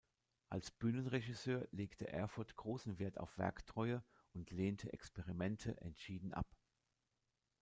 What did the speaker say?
Als Bühnenregisseur legte Erfurth großen Wert auf Werktreue und lehnte Experimente entschieden ab.